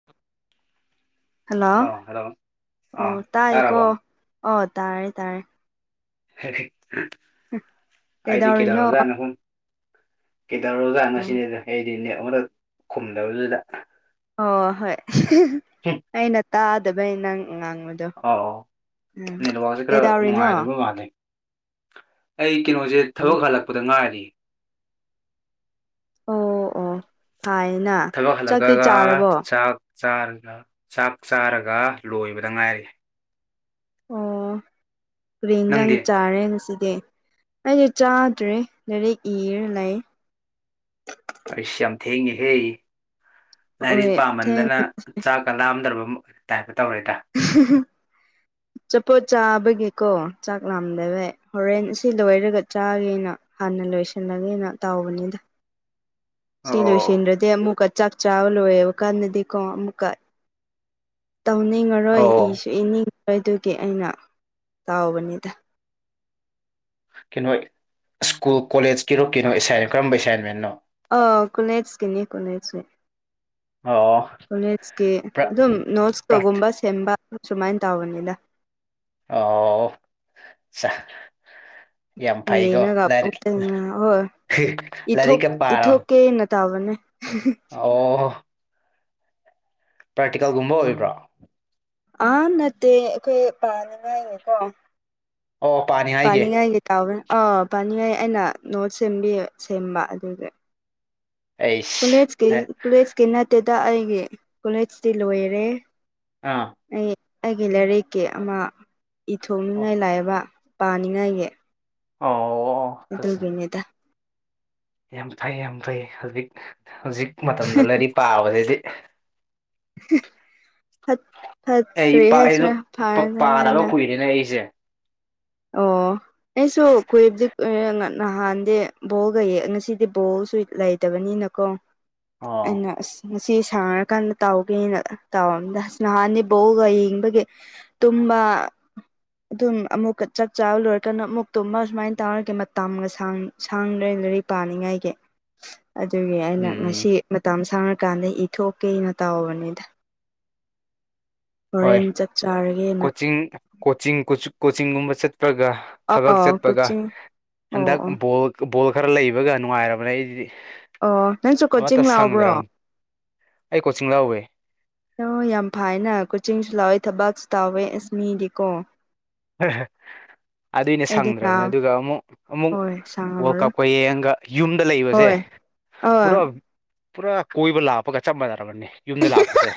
[inaudible] hello ꯑꯥ hello ꯑꯣ ꯑꯥ ꯇꯥꯏ ꯀꯣ ꯇꯥꯔꯕꯣ ꯑꯣ ꯇꯥꯥꯏꯔꯦ ꯇꯥꯥꯏꯔꯦ ꯑꯩꯗꯤ ꯀꯩꯗꯧꯔꯤꯅꯣ ꯀꯩꯗꯧꯔꯕꯖꯥꯠꯅꯣ ꯍꯨꯝ ꯀꯩꯗꯧꯔꯖꯥꯠꯅꯣ ꯁꯤꯅꯦꯗ ꯑꯩꯗꯤꯅꯦ ꯉꯣꯟꯗ ꯈꯨꯝꯗꯕꯗꯨꯗ ꯑꯣ ꯍꯣꯏ ꯍꯨꯝ ꯑꯩꯅ ꯇꯥꯗꯕꯩ ꯅꯪ ꯉꯥꯡꯕ ꯗꯣ ꯑꯧ ꯑꯧ ꯎꯝ ꯅꯦꯠꯋꯥꯛꯁꯦ ꯈꯔ ꯀꯩꯗꯧꯔꯤꯅꯣ ꯅꯨꯡꯉꯥꯏꯗꯕ ꯃꯥꯜꯂꯦ ꯑꯩ ꯀꯩꯅꯣꯁꯦ ꯑꯣ ꯊꯕꯛ ꯍꯜꯂꯛꯄꯗ ꯉꯥꯏꯔꯤ ꯑꯣ ꯑꯣ ꯐꯥꯏꯅ ꯊꯕꯛ ꯆꯥꯛꯇꯤ ꯍꯜꯂꯛꯑꯒ ꯆꯥꯔꯕꯣ ꯆꯥꯛ ꯆꯥꯔꯒ ꯆꯥꯛ ꯆꯥꯔꯒ ꯂꯣꯏꯕꯗ ꯉꯥꯏꯔꯤ ꯑꯣ ꯀꯨꯔꯤ ꯏꯟꯁꯥꯡ ꯅꯪꯗꯤ ꯆꯥꯔꯦ ꯉꯁꯤꯗꯤ ꯑꯩ ꯆꯥꯗ꯭ꯔꯤ ꯂꯥꯏꯔꯤꯛ ꯏꯔ ꯂꯩ ꯑꯩꯁ ꯌꯥꯝ ꯊꯦꯡꯉꯦꯍꯦ ꯍꯣꯏ ꯂꯥꯏꯔꯤꯁ ꯄꯥꯝꯃꯟꯗꯅ ꯊꯦꯡꯉꯦ ꯆꯥꯛ ꯀ ꯂꯥꯝꯗ꯭ꯔꯕ ꯇꯥꯏꯞꯇ ꯇꯧꯔꯦꯗ [unintelligible] [unintelligible] ꯆꯄꯣꯠ ꯆꯥꯕꯒꯤꯀꯣ ꯆꯥꯛ ꯂꯥꯝꯗꯕꯩ ꯍꯣꯔꯦꯟ ꯁꯤ ꯂꯣꯏꯔꯒ ꯆꯥꯒꯦꯅ ꯍꯥꯟꯅ ꯂꯣꯏꯁꯤꯜꯂꯒꯦ ꯇꯥꯎꯕꯅꯤꯗ ꯁꯤ ꯑꯣ ꯂꯣꯏꯁꯤꯟꯗ꯭ꯔꯗꯤ ꯑꯃꯨꯛꯀ ꯆꯥꯛ ꯆꯥꯕ ꯂꯣꯏꯌꯦꯕ ꯀꯥꯟꯗꯗꯤꯀꯣ ꯑꯃꯨꯛꯀ ꯇꯧꯅꯤꯡꯉꯔꯣꯏ ꯑꯣ ꯏꯁꯨ ꯏꯅꯤꯡꯉꯔꯣꯏ ꯑꯗꯨꯒꯤ ꯑꯩꯅ ꯇꯥꯎꯕꯅꯤꯗ ꯀꯩꯅꯣ ꯁ꯭ꯀꯨꯜ ꯀꯣꯂꯦꯖꯀꯤꯔꯣ ꯀꯩꯅꯣ ꯑꯦꯁꯥꯏ ꯀꯔꯝꯕ ꯑꯦꯁꯥꯏꯟꯃꯦꯟꯅꯣ ꯑ ꯀꯣꯂꯦꯖꯀꯤꯅꯤ ꯀꯣꯂꯦꯖ ꯑꯣ ꯀꯂꯦꯖꯀꯤ ꯄ꯭ꯔꯥꯛ ꯑꯗꯨꯝ ꯅꯣꯠꯁ ꯇꯣꯒꯨꯝꯕ ꯁꯦꯝꯕ ꯁꯨꯃꯥꯏꯅ ꯇꯧꯕꯅꯤꯗ ꯑꯣ [unintelligible] ꯐꯩꯀꯣ ꯌꯦꯉꯒ ꯂꯥꯏꯔꯤꯛ [unintelligible] ꯏꯊꯣꯛ ꯂꯥꯏꯔꯤꯛꯀ ꯏꯊꯣꯛꯀꯦꯅ ꯇꯥꯕꯅꯦ ꯑꯥꯎ ꯄ꯭ꯔꯦꯛꯇꯤꯀꯜꯒꯨꯝꯕ ꯑꯣꯏꯕ꯭ꯔꯣ ꯑꯥ ꯅꯠꯇꯦ ꯑꯩꯈꯣꯏ ꯄꯥꯅꯤꯡꯉꯥꯏꯒꯤꯀꯣ ꯑꯣ ꯄꯥꯅꯤ ꯍꯥꯏꯒꯦ ꯄꯥꯅꯤꯡꯉꯥꯏꯒꯤ ꯇꯧꯕꯅꯦ ꯑꯥ ꯄꯥꯅꯤꯡꯉꯥꯏ ꯑꯩꯅ ꯅꯣꯠꯁ ꯁꯦꯝꯕꯤ ꯁꯦꯝꯕ ꯑꯗꯨꯒꯤ ꯑꯩꯁ ꯀꯣꯂꯦꯖꯀꯤ ꯂꯥꯏ- ꯀꯣꯂꯦꯖꯀꯤ ꯅꯠꯇꯦꯗ ꯑꯩꯒꯤ ꯀꯣꯂꯦꯖꯇꯤ ꯂꯣꯏꯔꯦ ꯑꯥ ꯑꯩ ꯑꯩꯒꯤ ꯂꯥꯏꯔꯤꯛꯀꯤ ꯑꯃ ꯑꯣ ꯏꯊꯣꯛꯅꯤꯡꯉꯥꯏ ꯂꯥꯏꯕ ꯄꯥꯅꯤꯡꯉꯥꯏꯒꯤ ꯑꯣ ꯐꯖ- ꯑꯗꯨꯒꯤꯅꯤꯗ ꯌꯥꯝ ꯐꯩ ꯌꯥꯝ ꯐꯩ ꯍꯧꯖꯤꯛ ꯍꯧꯖꯤꯛ ꯃꯇꯝꯗ ꯂꯥꯏꯔꯤꯛ ꯄꯥꯕꯁꯤꯗꯤ ꯐꯠ ꯐꯠ ꯀꯔꯤ ꯍꯥꯏꯁꯤꯔꯥ [unintelligible] ꯅꯦ ꯑꯩꯁꯦ ꯑꯣ ꯑꯩꯁꯨ ꯀꯨꯏꯕꯗꯤꯏ ꯅꯍꯥꯟꯗꯤ ꯕꯣꯜꯒꯩ ꯉꯁꯤꯗꯤ ꯕꯣꯜꯁꯨ ꯂꯩꯇꯕꯅꯤꯅ ꯀꫭ ꯑꯣ ꯑꯩꯅ ꯑꯁ ꯉꯁꯤ ꯁꯥꯟꯅꯔꯀꯥꯟꯗ ꯇꯧꯒꯦꯅ ꯇꯧꯔꯝꯗꯁ ꯅꯍꯥꯟꯅꯤ ꯕꯣꯛꯒ ꯌꯦꯡꯕꯒꯤ ꯇꯨꯕꯥ ꯑꯗꯨ ꯑꯃꯨꯀ ꯆꯥꯛ ꯆꯥꯕ ꯂꯣꯏꯔꯀꯥꯟ ꯑꯃꯨꯛꯇꯨꯃ ꯑꯨꯃꯥꯏꯅ ꯇꯧꯔꯒꯦ ꯃꯇꯝꯒ ꯁꯥꯡꯗꯔꯤꯗꯔꯤ ꯄꯥꯅꯤꯡꯉꯥꯏꯒꯤ [inaudible] ꯑꯗꯨꯒꯤ ꯑꯩꯅ ꯎꯝ ꯉꯁꯤ ꯃꯇꯝ ꯁꯥꯡꯉꯀꯥꯟꯗ ꯏ ꯊꯣꯛꯀꯦꯅ ꯇꯥꯎꯕꯅꯤꯗ ꯍꯣꯏ ꯆꯥꯛ ꯆꯥꯔꯒꯦꯅ ꯀꯣꯆꯤꯡ ꯀꯣꯆꯤꯡ ꯀꯣꯆꯤꯡꯒꯨꯝꯕ ꯆꯠꯄ꯭ꯔꯒ ꯊꯕꯛ ꯑꯥꯎ ꯆꯠꯄꯒ ꯀꯣꯆꯤꯡ ꯑꯣ ꯍꯟꯗꯛ ꯑꯣ ꯕꯣꯜ ꯕꯣꯜ ꯈꯔ ꯂꯩꯕꯒ ꯅꯨꯡꯉꯥꯏꯔꯕꯅꯦ ꯑꯩꯗꯤ ꯑꯣ ꯅꯪꯁꯨ ꯑꯃꯠꯇ ꯀꯣꯆꯤꯡ ꯂꯥꯎꯕ꯭ꯔꯣ ꯁꯪꯗ꯭ꯔꯕ ꯑꯩ ꯀꯣꯆꯤꯡ ꯂꯧꯋꯦ ꯍꯂ ꯌꯥꯝ ꯐꯥꯏꯅ ꯀꯣꯆꯤꯡꯁꯨ ꯂꯥꯛꯋꯦ ꯊꯕꯛꯁꯨ ꯇꯥꯎꯋꯦ ꯑꯦꯁꯃꯤꯗꯤ ꯀꯣ ꯑꯗꯨꯏꯅ ꯑꯩꯗꯤ ꯁꯪꯗ꯭ꯔꯕꯅꯦ ꯉꯥꯎ ꯑꯗꯨꯒ ꯑꯃꯨꯛ ꯑꯃꯨꯛ ꯍꯣꯏ ꯋꯥꯔꯜ ꯁꯥꯡꯉꯝꯃꯔꯣꯏ ꯀꯞꯀ ꯌꯦꯡꯉꯒ ꯌꯨꯝꯗ ꯂꯩꯕꯁꯦ ꯍꯣꯏ ꯑꯥ ꯄꯨꯔꯥ ꯄꯨꯔꯥ ꯀꯣꯏꯕ ꯂꯥꯛꯄꯒ ꯆꯞ ꯃꯥꯟꯅꯔꯕꯅꯤ ꯌꯨꯝꯗ ꯂꯥꯛꯄꯁꯦ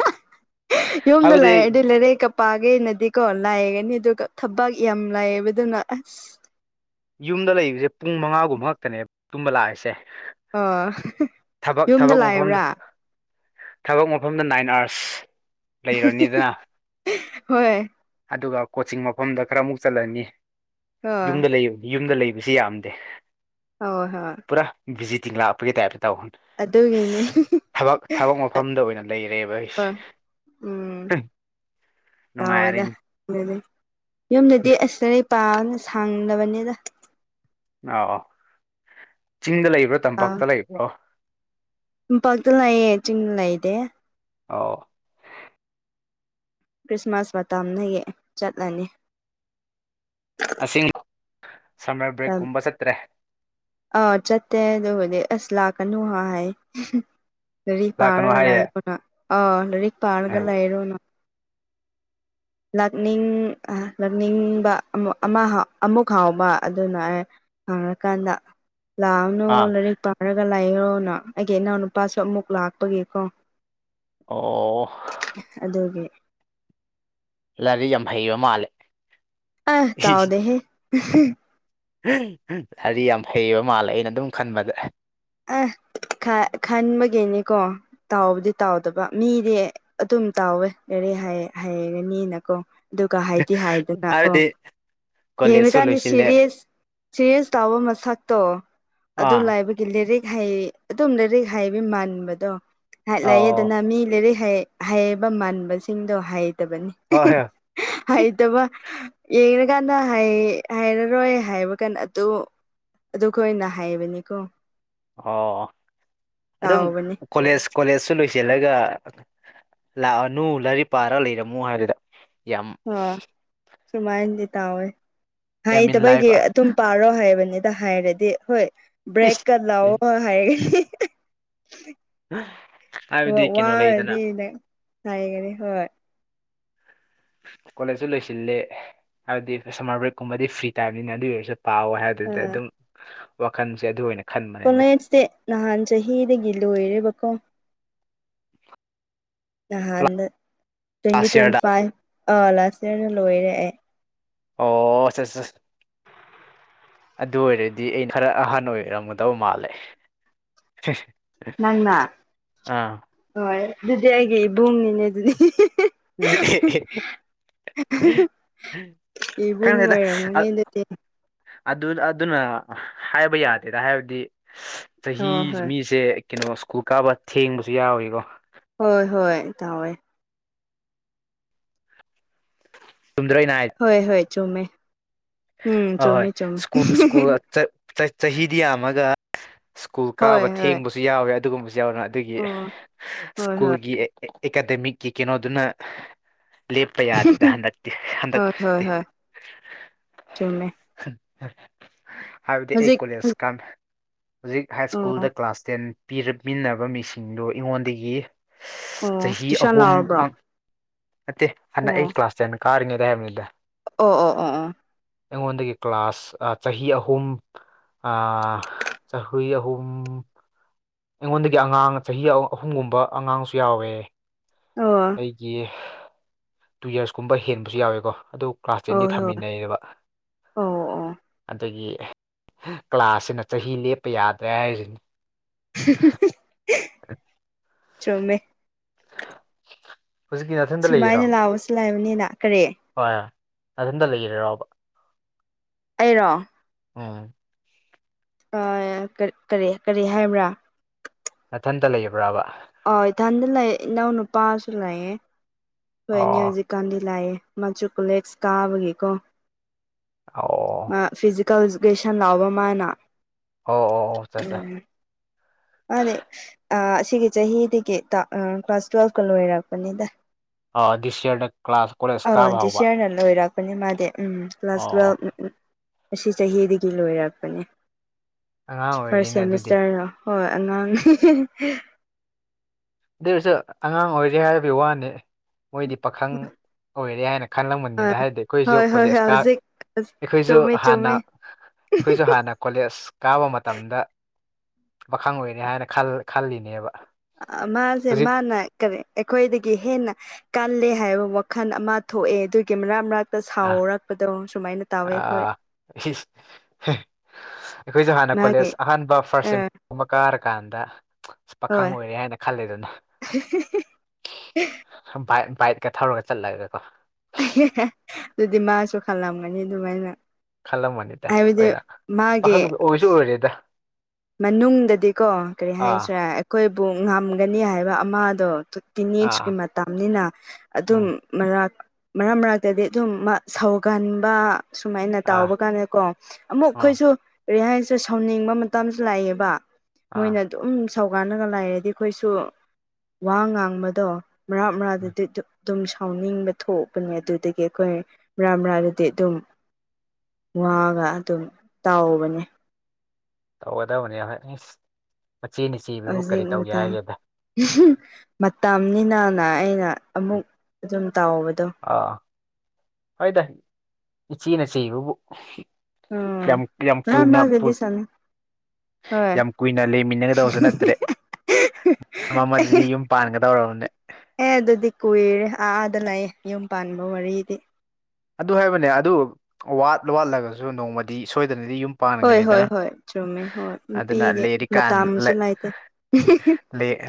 ꯍꯥꯏꯕꯗꯤ ꯀꯞ ꯄꯥꯒꯦꯅꯗꯤꯀꯣ ꯂꯥꯏꯒꯅꯤ ꯑꯗꯨꯒ ꯊꯕꯛ ꯌꯥꯝ ꯂꯥꯏꯑꯦꯕꯗꯨꯅ ꯑꯁ ꯌꯨꯝꯗ ꯂꯩꯕꯁꯦ ꯄꯨꯡ ꯃꯉꯥꯒꯨꯝꯕ ꯈꯛꯇꯅꯦ ꯇꯨꯝꯕ ꯂꯥꯛꯏꯁꯦ ꯑꯣ ꯊꯕꯛ ꯌꯨꯝꯗ ꯊꯕꯛ ꯃꯐꯝꯗ ꯂꯥꯛꯏꯕ꯭ꯔꯥ ꯊꯕꯛ ꯃꯐꯝꯗ ꯅꯥꯏꯟ ꯑꯥꯋꯥꯔꯁ ꯂꯩꯔꯕꯅꯤꯗꯅ ꯍꯣꯏ ꯑꯗꯨꯒ ꯀꯣꯆꯤꯡ ꯃꯐꯝꯗ ꯈꯔꯃꯨꯛ ꯆꯠꯂꯅꯤ ꯍꯣꯏ ꯌꯨꯝꯗ ꯂꯩꯅꯤ ꯌꯨꯝꯗ ꯂꯩꯕꯁꯤ ꯌꯥꯝꯗꯦ ꯍꯣꯏ ꯍꯣꯏ ꯄꯨꯔꯥꯚꯤꯖꯤꯇꯤꯡ ꯂꯥꯛꯄꯒꯤ ꯇ ꯍꯥꯏꯕ ꯇꯧꯍꯟ ꯑꯗꯨꯒꯤꯅꯤ ꯊꯕꯛ ꯊꯕꯛ ꯃꯐꯝꯗ ꯑꯣꯏꯅ ꯂꯩꯔꯦꯕ ꯑꯩꯁꯦ ꯎꯝ ꯅꯨꯡꯉꯥꯏꯔꯅꯦ ꯑꯗꯨ ꯌꯨꯝꯗꯗꯤ ꯑꯁꯔꯩ ꯄꯥꯅ ꯁꯥꯡꯗꯕꯅꯤꯗ ꯑꯥ ꯑ ꯆꯤꯡꯗ ꯂꯩꯕ꯭ꯔꯣ ꯇꯝꯄꯥꯛꯇ ꯂꯩꯕ꯭ꯔꯣ ꯄꯥꯛꯗ ꯂꯌꯦꯦ ꯆꯤꯡ ꯂ ꯏꯗꯦ ꯑꯧ ꯈ꯭ꯔꯤꯁꯃꯥꯁ ꯃꯇꯝꯅ ꯍ ꯆꯠꯂꯅꯤ ꯑꯁꯤ ꯁꯝꯃꯔ ꯕ꯭ꯔꯦꯛꯀꯨꯝꯕ ꯆꯠꯇ꯭ꯔꯦ ꯑꯥ ꯆꯠꯇꯦ ꯑꯗꯨꯕꯨꯗꯤ ꯑꯁ ꯂꯥꯛꯀꯅꯨ ꯍꯥꯏ ꯍꯥꯏ ꯂꯥꯏꯔꯤꯛ ꯂꯥꯛꯀꯅꯨ ꯄꯥꯔꯒ ꯍꯥꯏꯌꯦ ꯂꯥꯛꯔꯣꯅ ꯑꯥ ꯂꯥꯏꯔꯤꯛ ꯄꯥꯔꯒ ꯎꯝ ꯂꯥꯛꯔꯣꯅ ꯂꯥꯛꯅꯤꯡ ꯂꯥꯛꯅꯤꯡꯕ ꯑꯃꯨꯛ ꯍꯥꯎꯕ ꯑꯗꯨꯅ ꯑꯩ ꯍꯔ ꯀꯥꯟꯗ ꯂꯥꯛꯑꯣꯅꯨ ꯑꯥ ꯂꯥꯏꯔꯤꯛ ꯄꯥꯔꯒ ꯂꯥꯏꯔꯣꯑꯣꯅ ꯑꯩꯒꯤ ꯏꯅꯥꯎꯅꯨꯄꯥꯁꯨ ꯑꯃꯨꯛ ꯂꯥꯛꯄꯒꯤꯀꯣ ꯑꯣ ꯑꯗꯨꯒꯤ ꯂꯔꯤ ꯌꯥꯝ ꯍꯩꯕ ꯃꯥꯜꯂꯦ ꯑꯦ ꯇꯥꯎꯗꯦꯍꯦ ꯍꯥꯔꯤ ꯌꯥꯝ ꯐꯩꯕ ꯃꯥꯜꯂꯦ ꯑꯩꯅ ꯑꯗꯨꯝ ꯈꯟꯕꯗ ꯑꯩ ꯈꯟꯕꯒꯤꯅꯦꯀꯣ ꯇꯥꯎꯕꯗꯤ ꯇꯥꯎꯗꯕ ꯃꯤꯗꯤ ꯑꯗꯨꯝ ꯇꯥꯎꯋꯦ ꯌꯥꯔꯦ ꯍꯥꯏꯔꯒ ꯃꯤꯅꯀꯣ ꯑꯗꯨꯒ ꯍꯥꯏꯗꯤ ꯍꯥꯏꯗꯅ ꯑꯣ ꯍꯥꯏꯕꯗꯤ ꯀꯣꯂꯦꯖꯁꯨ ꯌꯦꯡꯉꯀꯥꯟꯗ ꯂꯣꯏꯁꯤꯜꯂꯦ ꯁꯔꯤꯁ ꯁꯤꯔꯤꯁ ꯇꯥꯕ ꯃꯁꯛꯇꯣ ꯑꯗꯨ ꯑꯥ ꯂꯥꯏꯕ ꯒꯤ ꯂꯥꯏꯔꯤꯛ ꯍꯩ ꯑꯗꯨꯝ ꯂꯥꯏꯔꯤꯛ ꯍꯩꯕ ꯃꯥꯟꯕꯗꯣ ꯍꯥꯏ ꯑꯣ ꯂꯥꯛꯌꯦꯗꯅ ꯃꯤ ꯂꯥꯏꯔꯤꯛ ꯍꯩ ꯍꯩꯕ ꯃꯥꯟꯕꯁꯤꯡꯗꯣ ꯍꯩꯇꯕꯅꯤ ꯍꯣꯏ ꯍꯣꯏ ꯍꯩꯇꯕ ꯌꯦꯡꯉꯀꯥꯟꯗ ꯍꯥꯏꯔꯔꯣꯏ ꯍꯥꯏꯕ ꯀꯥꯟ ꯑꯗꯨ ꯑꯗꯨꯈꯣꯏꯅ ꯍꯥꯏꯕꯅꯦꯀꯣ ꯑꯣ ꯑꯗꯨꯝ ꯇꯥꯎꯕꯅꯤ ꯀꯣꯂꯦꯖ ꯀꯣꯂꯦꯖꯁꯨ ꯂꯣꯏꯁꯤꯜꯂꯒ ꯂꯥꯛꯑꯅꯨ ꯂꯥꯏꯔꯤꯛ ꯄꯥꯔꯒ ꯂꯩꯔꯝꯃꯣ ꯍꯥꯏꯗꯨꯗ ꯁꯨꯃꯥꯏꯅꯗꯤ ꯇꯥꯎꯋꯦ ꯌꯥꯝ ꯏꯟ ꯍꯥꯏꯇꯕꯩꯒꯤ ꯂꯥꯏꯐ ꯑꯗꯨꯝ ꯄꯥꯔꯣ ꯍꯥꯏꯕꯅꯤ ꯍꯥꯏꯔꯗꯤ ꯍꯣꯏ ꯕ꯭ꯔꯦꯛꯀ ꯂꯥꯛꯑꯣ ꯍꯥꯏꯔꯒꯗꯤ ꯍꯥꯏꯕꯗꯤ ꯀꯩꯅꯣ ꯂꯩꯗꯅ ꯋꯥꯔꯗꯤ ꯍꯥꯏꯒꯅꯤ ꯍꯣꯏ ꯀꯣꯂꯦꯖꯁꯨ ꯂꯣꯏꯁꯤꯜꯂꯦ ꯍꯥꯏꯕꯗꯤ ꯁꯝꯃꯔ ꯕ꯭ꯔꯦꯛꯀꯨꯝꯕꯗꯤ ꯐ꯭ꯔꯤ ꯇꯥꯏꯝꯅꯤꯅ ꯑꯗꯨꯏ ꯑꯣꯏꯔꯁꯨ ꯄꯥꯎꯋꯦ ꯍꯥꯏ ꯑꯗꯨꯗ ꯑꯥ ꯑꯗꯨꯝ ꯋꯥꯈꯜꯁꯦ ꯑꯗꯨ ꯑꯣꯏꯅ ꯈꯟꯕꯅꯦꯗ ꯀꯣꯂꯦꯖꯇꯤ ꯅꯍꯥꯟ ꯆꯍꯤꯗꯒꯤ ꯂꯣꯏꯔꯦꯕꯀꯣ ꯅꯍꯥꯟꯗ ꯇ꯭ꯋꯦꯟꯇꯤ ꯂꯥꯁ ꯇ꯭ꯋꯦꯟꯇꯤ ꯌꯔꯗ ꯐꯥꯏꯚ ꯑꯥ ꯂꯥꯁ ꯏꯌꯥꯔꯅ ꯂꯣꯏꯔꯦ ꯑꯩ ꯑꯣ ꯑꯗꯨ ꯑꯣꯏꯔꯗꯤ ꯑꯩꯅ ꯈꯔ ꯑꯍꯟ ꯑꯣꯏꯔꯝꯒꯗꯕ ꯃꯥꯜꯂꯦ ꯅꯪꯅ ꯑꯥ ꯍꯣꯏ ꯑꯗꯨꯗꯤ ꯑꯩꯒꯤ ꯏꯕꯨꯡꯅꯤꯅꯦ ꯑꯗꯨꯗꯤ [unintelligible] ꯏꯕꯨꯡ ꯈꯪꯗꯦꯗ ꯑꯣꯏꯔꯝꯒꯅꯤ ꯑꯗꯨꯗꯤ ꯑꯗꯨ ꯑꯗꯨꯅ ꯍꯥꯏꯕ ꯌꯥꯗꯦꯗ ꯍꯥꯏꯕꯗꯤ ꯆꯍꯤ ꯑꯣ ꯍꯣꯏ ꯃꯤꯁꯦ ꯀꯩꯅꯣ ꯁ꯭ꯀꯨꯜ ꯀꯥꯕ ꯊꯦꯡꯕꯁꯨ ꯌꯥꯎꯔꯤꯕꯣ ꯍꯣꯏ ꯍꯣꯏ ꯇꯥꯋꯦ ꯆꯨꯝꯗ꯭ꯔ ꯑꯩꯅꯥ ꯍꯣꯏ ꯍꯣꯏ ꯆꯨꯝꯃꯦ ꯎꯝ ꯍꯣꯏ ꯍꯣꯏ ꯆꯨꯝꯃꯦ ꯆꯨꯝꯃꯦ ꯁ꯭ꯀꯨꯜ ꯁ꯭ꯀꯨꯜ ꯆꯍꯤꯗꯤ ꯌꯥꯝꯃꯒ ꯁ꯭ꯀꯨꯜ ꯍꯣꯏ ꯀꯥꯕ ꯍꯣꯏ ꯊꯦꯡꯕꯁꯨ ꯌꯥꯎꯋꯦ ꯑꯗꯨꯒꯨꯝꯕꯁꯨ ꯌꯥꯎꯋꯦ ꯑꯗꯒꯤ ꯑꯣ ꯍꯣꯏ ꯍꯣꯏ ꯁ꯭ꯀꯨꯜꯒꯤ ꯑꯦꯀꯥꯗꯃꯤꯛꯀꯤ ꯀꯩꯅꯣꯗꯨꯅ ꯂꯦꯄ ꯌꯥꯗꯦꯗ ꯍꯟꯛ ꯍꯟꯗꯛ ꯍꯣꯏ ꯍꯣꯏ ꯍꯣꯏ ꯆꯨꯝꯃꯦ ꯍꯥꯏꯗꯤ ꯑꯩ ꯍꯧꯖꯤꯛ ꯀꯣꯂꯁ ꯀꯃꯦ ꯍꯧꯖꯤꯛ ꯍꯥꯏ ꯑꯣ ꯁ꯭ꯀꯨꯜꯗ ꯀ꯭ꯂꯥꯁ ꯇꯦꯟ ꯄꯤꯟꯅꯕ ꯃꯤꯁꯤꯡꯗꯨ ꯑꯩꯉꯣꯟꯗꯒꯤ ꯑꯣ ꯆꯍꯤ ꯇꯨꯏꯁꯟ ꯑꯍꯨꯝ ꯂꯥꯎꯔꯕ꯭ꯔꯣ ꯅꯠꯇꯦ ꯍꯅ ꯑꯩ ꯀ꯭ꯂꯥꯁ ꯇꯦꯟ ꯀꯥꯔꯤꯉꯩꯗ ꯍꯥꯏꯕꯅꯤꯗ ꯑꯣ ꯑꯣ ꯑꯣ ꯑꯣ ꯑꯩꯉꯣꯟꯗꯒꯤ ꯀ꯭ꯂꯥꯁ ꯆꯍꯤ ꯑꯍꯨꯝ ꯑ ꯆꯍꯤ ꯑꯍꯨꯝ ꯑꯩꯉꯣꯟꯗꯒꯤ ꯑꯉꯥꯡ ꯆꯍꯤ ꯑꯍꯨꯝꯒꯨꯝꯕ ꯑꯉꯥꯡꯁꯨ ꯌꯥꯎꯋꯦ ꯑꯣ ꯑꯩꯒꯤ ꯇꯨ ꯌꯔꯁ ꯀꯨꯝꯕ ꯍꯦꯟꯕꯁꯨ ꯌꯥꯎꯋꯦꯀꯣ ꯑꯗꯨ ꯀ꯭ꯂꯥꯁ ꯑꯣ ꯑꯣ ꯇꯦꯟꯒꯤ ꯍꯣꯏ ꯑꯣ ꯊꯥꯃꯤꯟꯅꯩꯕ ꯑꯣ ꯑꯗꯒꯤ ꯀ꯭ꯂꯥꯁꯁꯤꯅ ꯆꯍꯤ ꯂꯦꯞꯄ ꯌꯥꯗ꯭ꯔꯦ ꯍꯥꯏꯁꯤꯅꯤ [unintelligible] ꯆꯨꯝꯃꯦ ꯍꯧꯖꯤꯛꯀꯤ ꯅꯥꯊꯟꯗ ꯂꯩꯔꯤꯔꯣ ꯁꯨꯃꯥꯏꯅ ꯂꯥꯛꯑꯣꯁꯨ ꯂꯥꯏꯕꯅꯤꯅ ꯀꯔꯤ ꯍꯣꯏ ꯅꯊꯟꯇ ꯂꯩꯔꯥꯔꯣꯕ ꯑꯩꯔꯣ ꯎꯝ ꯀꯔꯤ ꯀꯔꯤ ꯍꯥꯏꯕ꯭ꯔꯥ ꯅꯊꯟꯇ ꯂꯩꯕ꯭ꯔꯥꯕ ꯑ ꯏꯊꯟꯗ ꯂꯩ ꯏꯅꯥꯎ ꯅꯨꯄꯥꯁꯨ ꯂꯩꯌꯦ ꯍꯣꯏꯅꯦ ꯑꯣ ꯍꯧꯖꯤꯛꯀꯥꯟꯗꯤ ꯂꯥꯛꯑꯦ ꯃꯖꯨ ꯀꯨꯂꯦꯛꯁ ꯀꯥꯕꯒꯤꯀꯣ ꯑꯣ ꯑꯣ ꯐꯤꯖꯤꯀꯦꯜ ꯏꯖꯨꯀꯦꯁꯟ ꯂꯥꯎꯕ ꯃꯥꯅ ꯑꯣ ꯑꯣ ꯑꯣꯆꯆꯥ ꯃꯥꯅꯦ ꯑꯥ ꯑꯁꯤꯒꯤ ꯆꯍꯤꯗꯒꯤ ꯀ꯭ꯂꯥꯁ ꯇꯨꯌꯦꯜꯐꯀ ꯂꯣꯏꯔꯛꯄꯅꯤꯗ ꯑ ꯗꯤꯁ ꯌꯦꯔꯗ ꯀ꯭ꯂꯥꯁ ꯀꯣꯂꯦꯁ ꯀꯥꯕ ꯍꯧꯕ ꯑꯩꯅ ꯂꯣꯏꯔꯛ ꯄꯅꯤ ꯃꯥꯗꯤ ꯎꯝ ꯀ꯭ꯂꯥꯁ ꯑꯣ ꯇꯨꯌꯦꯜꯐꯀ ꯑꯁꯤ ꯆꯍꯤꯗꯒꯤ ꯂꯣꯏꯔꯛꯄꯅꯤ ꯑꯉꯥꯡ ꯐꯔꯁ ꯑꯣꯏꯔꯤꯅꯦ ꯑꯗꯨꯗꯤ ꯁꯦꯃꯤꯁꯇꯔ ꯍꯣꯏ ꯑꯉꯥꯡꯅꯤ ꯗꯨꯁꯨ ꯑꯉꯥꯡ ꯑꯣꯏꯔꯤ ꯍꯥꯏꯕꯩ ꯋꯥꯅꯤ ꯃꯣꯏꯗꯤ ꯄꯥꯈꯪ ꯑꯣꯏꯔꯦ ꯍꯥꯏꯅ ꯍꯣꯏ ꯈꯜꯂꯝꯒꯅꯤꯗ ꯍꯥꯏꯗꯤ ꯍꯣꯏ ꯑꯩꯈꯣꯏꯁꯨ ꯍꯣꯏ ꯀꯣꯂꯦꯖꯀꯥ ꯍꯧꯖꯤꯛ ꯑꯩꯈꯣꯏꯖꯨ ꯆꯨꯝꯃꯦ ꯍꯥꯟꯅ ꯆꯨꯝꯃꯦ ꯑꯩꯈꯣꯏꯖꯨ ꯍꯥꯟꯅ ꯀꯣꯂꯦꯖ ꯀꯥꯕ ꯃꯇꯝꯗ ꯄꯥꯈꯪ ꯑꯣꯏꯔꯦ ꯍꯥꯏꯅ ꯈꯜ ꯈꯜꯂꯤꯅꯦꯕ ꯑ ꯃꯥꯖꯦ ꯍꯧꯖꯤꯛ ꯃꯥ ꯅꯥ ꯀꯔꯤ ꯑꯩꯈꯣꯏꯗꯒꯤ ꯍꯦꯟꯅ ꯀꯜꯂꯦ ꯍꯥꯏꯕ ꯋꯥꯈꯜ ꯑꯃ ꯊꯣꯛꯑꯦ ꯑꯗꯨꯒꯤ ꯃꯔꯛ ꯃꯔꯛ ꯑ ꯁꯥꯎꯔꯛꯄꯗꯣ ꯁꯨꯃꯥꯏꯅ ꯇꯧꯋꯦ ꯑꯩꯈꯣꯏ ꯑꯩꯈꯣꯏꯖꯨ ꯍꯥꯟꯅ ꯃꯥꯒꯤ ꯀꯣꯂꯦꯖꯁ ꯑꯍꯥꯟꯕ ꯐꯥꯔꯁ ꯑꯥ ꯀꯨꯝꯕ ꯀꯥꯔ ꯀꯥꯟꯗ ꯄꯥꯈꯪ ꯍꯣꯏ ꯑꯣꯏꯔꯦ ꯍꯥꯏꯅ ꯈꯜꯂꯦ ꯑꯗꯨꯅ ꯕꯥꯢ ꯕꯥꯏꯠꯀ ꯊꯧꯔꯒ ꯆꯠꯂꯒꯀꯣ ꯑꯗꯨꯗꯤ ꯃꯥꯁꯨ ꯈꯜꯂꯝꯒꯅꯤ ꯑꯗꯨ ꯃꯥꯏꯅ ꯈꯜꯂꯝꯃꯅꯤꯗ ꯃꯥꯒꯤ ꯄꯥꯈꯪ ꯑꯣꯏꯁꯨ ꯑꯣꯏꯔꯦꯗ ꯃꯅꯨꯡꯗꯗꯤꯀꯣ ꯀꯔꯤ ꯑꯥ ꯍꯥꯏꯁꯤꯔꯥ ꯑꯩꯈꯣꯏꯕꯨ ꯉꯝꯒꯅꯤ ꯍꯥꯏꯕ ꯑꯃꯗꯣ ꯇꯤꯟ ꯑꯦꯖꯀꯤ ꯑꯥ ꯃꯇꯝꯅꯤꯅ ꯑꯗꯨꯝ ꯎꯝ ꯃꯔꯛ ꯃꯔꯛ ꯃꯔꯛꯇꯗꯤ ꯑꯗꯨꯝ ꯁꯧꯒꯟꯕ ꯁꯨꯃꯥꯏꯅ ꯑꯥ ꯇꯥꯎꯕ ꯀꯥꯟꯗ ꯀꯣ ꯑꯃꯨꯛ ꯎꯝ ꯑꯩꯈꯣꯏꯁꯨ ꯀꯔꯤ ꯍꯥꯏꯁꯦ ꯁꯥꯎꯅꯤꯡꯕ ꯇꯝꯁꯨ ꯂꯩꯑꯦꯕ ꯑꯥ ꯃꯣꯏꯅ ꯑꯗꯨꯝ ꯁꯧꯒꯟꯅꯒ ꯂꯥꯏꯔꯗꯤ ꯑꯩꯈꯣꯏꯁꯨ ꯋꯥ ꯉꯥꯡꯕꯗꯣ ꯃꯔꯥꯛ ꯎꯝ ꯃꯔꯥꯛꯇꯗꯤ ꯑꯗꯨꯝ ꯁꯥꯎꯅꯤꯡꯕ ꯊꯣꯛꯄꯅꯦ ꯑꯗꯨꯗꯒꯤ ꯑꯩꯈꯣꯏ ꯃꯔꯛ ꯃꯔꯛꯗꯗꯤ ꯑꯗꯨꯝ ꯋꯥꯒ ꯑꯗꯨꯝ ꯇꯧꯕꯅꯦ ꯇꯧꯒꯗꯕꯅꯦ ꯏꯁ ꯃꯆꯦꯅ ꯆꯩꯕꯕꯨ ꯍꯧꯖꯤꯛ ꯀꯔꯤ ꯇꯧꯒꯦ ꯃꯇꯥꯡ ꯍꯥꯏꯅꯣꯗ ꯃꯇꯝꯅꯤꯅꯅ ꯑꯩꯅ ꯎꯝ ꯑꯃꯨꯛ ꯑꯗꯨꯝ ꯇꯥꯎꯕꯗꯣ ꯑꯥ ꯍꯣꯏꯗ ꯏꯆꯦꯅ ꯆꯩꯕꯕꯨ ꯎꯝ ꯀꯌꯥꯝ ꯀꯌꯥꯝ ꯃꯔꯛ ꯐꯨꯜ ꯃꯥꯛ ꯄꯨ ꯃꯔꯛꯇꯗꯤ ꯁꯥꯟꯅꯩ ꯍꯣꯏ ꯌꯥꯝ ꯀꯨꯏꯅ ꯂꯩꯃꯤꯟꯅꯒꯗꯕꯁꯨ ꯅꯠꯇ꯭ꯔꯦ ꯑꯃꯗꯗꯤ ꯌꯨꯝ ꯄꯥꯟꯒꯗꯧꯔꯕꯅꯦ ꯑꯦ ꯑꯗꯨꯗꯤ ꯀꯨꯏꯔꯦ ꯑꯥꯗ ꯂꯩ ꯌꯨꯝ ꯄꯥꯟꯕ ꯋꯥꯔꯤꯗꯤ ꯑꯗꯨ ꯍꯥꯏꯕꯅꯦ ꯑꯗꯨ ꯋꯥꯠ ꯋꯥꯠꯂꯒꯁꯨ ꯅꯣꯡꯃꯗꯤ ꯁꯣꯏꯗꯅꯗꯤ ꯌꯨꯝ ꯍꯣꯏ ꯍꯣꯏ ꯄꯥꯟꯒꯅꯤꯗꯅ ꯍꯣꯏ ꯆꯨꯝꯃꯦ ꯍꯣꯏ ꯑꯗꯨꯅ ꯅꯨꯄꯤꯗꯤ ꯂꯦꯔꯤ ꯀꯥꯟ ꯃꯇꯝꯁꯨ ꯂꯩꯇꯦ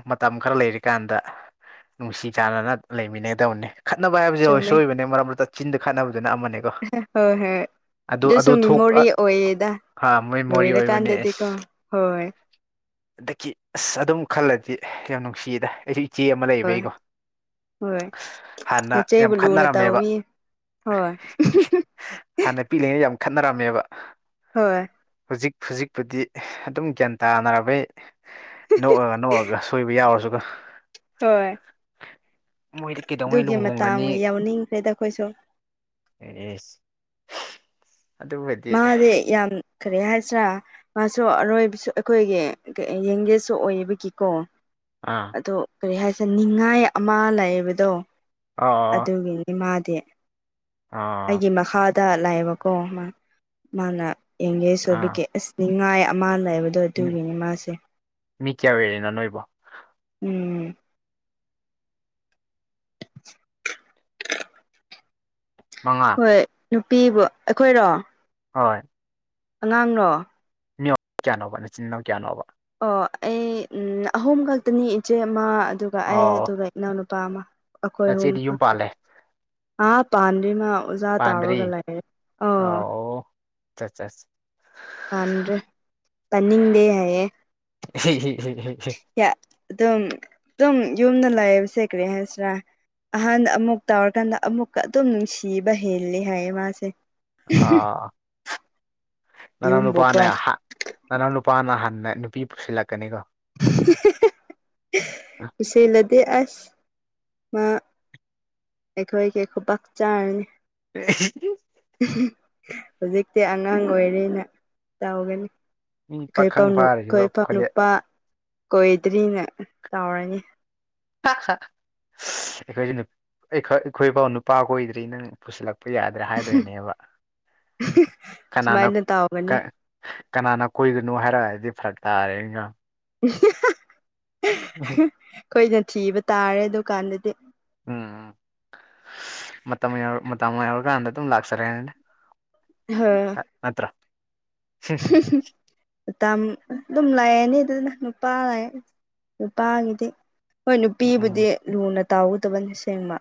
ꯃꯇꯝ ꯈꯔ ꯂꯩꯔꯤꯀꯥꯟꯗ ꯅꯨꯡꯁꯤ ꯆꯥꯟꯅꯅ ꯂꯩꯃꯤꯟꯅꯒꯗꯧꯅꯦ ꯈꯠꯅꯕ ꯍꯥꯏꯕꯁꯤꯦ ꯆꯨꯝꯃꯦ ꯁꯣꯏꯕꯅꯤ ꯃꯔꯛ ꯃꯔꯛꯇ ꯆꯤꯟꯗ ꯈꯠꯅꯕꯗꯨꯅ ꯑꯃꯅꯦ [unintelligible] ꯑꯗꯨꯁꯨ ꯊꯣꯛ ꯑ ꯃꯦꯃꯣꯔꯤ ꯑꯣꯏꯌꯦꯗ ꯑꯥ ꯃꯦꯃꯣꯔꯤ ꯑꯣꯏꯕꯅꯦ ꯑꯁ ꯂꯣꯏꯔꯀꯥꯟꯗꯗꯤꯀꯣ ꯍꯣꯏ ꯑꯗꯒꯤ ꯑꯁ ꯑꯗꯨꯝ ꯈꯜꯂꯗꯤ ꯌꯥꯝ ꯅꯨꯡꯁꯤꯌꯦꯗ ꯑꯩꯗꯤ ꯏꯆꯦ ꯑꯃ ꯍꯣꯏ ꯂꯩꯕꯩꯀꯣ ꯍꯣꯏ ꯍꯥꯟꯅ ꯌꯥꯝ ꯅꯆꯦꯕꯨ ꯂꯨꯅ ꯈꯠꯅꯔꯝꯃꯦꯕ ꯇꯧꯋꯤ ꯍꯣꯏ ꯍꯥꯟꯅ ꯄꯤꯂꯤꯉꯩꯗ ꯌꯥꯝ ꯈꯠꯅꯔꯝꯃꯦꯕ ꯍꯣꯏ ꯍꯧꯖꯤꯛ ꯍꯧꯖꯤꯛꯄꯨꯗꯤ ꯑꯗꯨꯝ ꯒ꯭ꯌꯥꯟ ꯇꯥꯅꯔꯕꯩ ꯅꯣꯛꯑꯒ ꯅꯣꯛꯑꯒ ꯁꯣꯏꯕ ꯌꯥꯎꯔꯁꯨꯀꯣ ꯍꯣꯏ ꯃꯣꯏꯗꯤ ꯀꯩꯗꯧꯉꯩ ꯑꯗꯨꯒꯤ ꯃꯇꯥꯡ ꯂꯨꯍꯣꯡꯒꯅꯤ ꯌꯥꯎꯅꯤꯡꯈ꯭ꯔꯦꯗ ꯑꯩꯈꯣꯏꯁꯨ [unintelligible] ꯃꯥꯗꯤ ꯌꯥꯝ ꯀꯔꯤ ꯍꯥꯏꯁꯤꯔꯥ ꯃꯥꯁꯨ ꯑꯔꯣꯏꯕꯁꯨ ꯑꯩꯈꯣꯏꯒꯤ ꯌꯦꯡꯒꯦꯁꯨ ꯑꯣꯏꯕꯒꯤꯀꯣ ꯑꯥ ꯑꯗꯣ ꯀꯔꯤ ꯍꯥꯏꯁꯤꯔ ꯅꯤꯡꯉꯥꯏ ꯑꯃ ꯂꯩꯕꯗꯣ ꯑꯥ ꯑꯗꯨꯒꯤꯅꯤ ꯏꯃꯥꯗꯤ ꯑꯥ ꯑꯩꯒꯤ ꯃꯈꯥꯗ ꯂꯥꯛꯑꯦꯕꯀꯣ ꯃꯥ ꯃꯥꯅ ꯌꯡꯒꯦꯖ ꯑꯥ ꯑꯣꯏꯕꯒꯤ ꯑꯁ ꯅꯤꯡꯉꯥꯏ ꯑꯃ ꯂꯩꯕ ꯑꯗꯣ ꯎꯝ ꯑꯗꯨꯒꯤꯅꯤ ꯃꯥꯁꯦ ꯃꯤ ꯀꯌꯥ ꯑꯣꯏꯔꯤꯅꯣ ꯅꯣꯏꯕꯣ ꯎꯝ [unintelligible] ꯃꯉꯥ ꯍꯣꯏ ꯅꯨꯄꯤꯕꯨ ꯑꯩꯈꯣꯏꯔꯣ ꯍꯣꯏ ꯑꯉꯥꯡꯔꯣ ꯃꯤ ꯀꯌꯥꯅꯣꯕ ꯅꯆꯤꯟ ꯅꯅꯥꯎ ꯀꯌꯥꯅꯣꯕ ꯑꯣ ꯑꯩ ꯎꯝ ꯑꯍꯨꯝ ꯈꯛꯇꯅꯤ ꯏꯆꯦ ꯑꯃ ꯑꯗꯨꯒ ꯑꯩ ꯑꯣ ꯑꯗꯨꯒ ꯏꯅꯥꯎꯅꯨꯄꯥ ꯑꯃ ꯑꯩꯈꯣꯏ ꯑꯍꯨꯝ ꯅꯆꯦꯗꯤ ꯌꯨꯝ ꯈꯛ ꯄꯥꯜꯂꯦ ꯑꯥ ꯄꯥꯟꯗ꯭ꯔꯤ ꯃꯥ ꯑꯣꯖꯥ ꯇꯥꯎꯔꯒ ꯄꯥꯟꯗ꯭ꯔꯤ ꯂꯩꯔꯦ ꯑꯧ ꯑꯣ [unintelligible] ꯄꯥꯟꯗ꯭ꯔꯤ ꯄꯥꯟꯅꯤꯡꯗꯦ ꯍꯥꯏꯌꯦ ꯑꯗꯨꯝ ꯑꯗꯨꯝ ꯌꯨꯝꯗ ꯂꯩꯕꯁꯦ ꯀ꯭ꯔꯤ ꯍꯥꯏꯁꯤꯔꯥ ꯑꯍꯥꯟ ꯑꯃꯨꯛ ꯇꯧꯔꯀꯥꯟꯗ ꯑꯃꯨꯛꯀ ꯑꯗꯨꯝ ꯅꯨꯡꯁꯤꯕ ꯍꯦꯜꯂꯤ ꯍꯥꯏꯌꯦ ꯃꯥꯁꯦ ꯑꯥ ꯑꯥ ꯑꯥ ꯅꯅꯥꯎ ꯌꯨꯝꯕꯨꯀꯣ ꯅꯨꯄꯥꯅ ꯍꯥ ꯅꯅꯥꯎ ꯅꯨꯄꯥꯅ ꯍꯥꯟꯟꯅ ꯅꯨꯄꯤ ꯄꯨꯁꯤꯜꯂꯛꯀꯅꯤ ꯀꯣ [unintelligible] ꯄꯨꯁꯤꯜꯂꯗꯤ ꯑꯁ ꯃꯥ ꯑꯩꯈꯣꯏꯒꯤ ꯈꯨꯄꯥꯛ ꯆꯥꯔꯅꯤ [unintelligible] ꯎꯝ ꯍꯨꯝ ꯍꯧꯖꯤꯛꯇꯤ ꯑꯉꯥꯡ ꯑꯣꯏꯔꯦꯅ ꯇꯧꯒꯅꯤ ꯃꯤ ꯑꯩꯈꯣꯏ ꯄꯥꯎ ꯄꯥꯈꯪ ꯅꯨ ꯐꯥꯔꯤꯕ ꯑꯩꯈꯣꯏ ꯈꯣꯂꯦ ꯅꯨꯄꯥ ꯀꯣꯏꯗ꯭ꯔꯤꯅ ꯇꯥꯎꯔꯅꯤ ꯍꯥꯛ ꯍꯥ ꯁꯁ ꯑꯩꯈꯣꯏꯁꯨ ꯅꯨꯞ ꯑꯩꯈꯣꯏ ꯑꯩꯈꯣꯏꯐꯥꯎ ꯅꯨꯄꯥ ꯀꯣꯏꯗ꯭ꯔꯤ ꯅꯪ ꯄꯨꯁꯤꯜꯂꯛꯄ ꯌꯥꯗ꯭ꯔꯥ ꯍꯥꯏꯗꯣꯏꯅꯦꯕ ꯀꯅꯥꯅꯣ ꯁꯨꯃꯥꯏꯅ ꯀꯥ ꯇꯧꯒꯅꯤ ꯀꯅꯥꯅ ꯀꯣꯏꯒꯅꯣ ꯍꯥꯏꯔꯛꯑꯗꯤ ꯐꯔꯛ ꯇꯥꯔꯦꯒ ꯎꯝ ꯍꯤ ꯍꯥ ꯑꯩꯈꯣꯏꯅ ꯊꯤꯕ ꯇꯥꯔꯦ ꯑꯗꯨꯀꯥꯟꯗꯗꯤ ꯎꯝ ꯃꯇꯝ ꯌꯧꯔ ꯃꯇꯝ ꯌꯧꯔꯀꯥꯟꯗ ꯑꯗꯨꯝ ꯂꯥꯛꯆꯔꯦꯅ ꯍꯥ ꯅꯠꯇꯔꯥ ꯍꯨꯝ ꯍꯨꯝ ꯃꯇꯝ ꯑꯗꯨꯝ ꯂꯥꯛꯑꯦꯅꯦ ꯑꯗꯨꯅ ꯅꯨꯄꯥ ꯂꯥꯛꯑꯦ ꯅꯨꯄꯥꯒꯤꯗꯤ ꯍꯣꯏ ꯎꯝ ꯎꯝ ꯅꯨꯄꯤꯕꯨꯗꯤ ꯂꯨꯅ ꯇꯥꯎꯒꯗꯕꯅꯤ ꯁꯦꯡꯕ